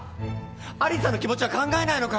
有沙の気持ちは考えないのかよ。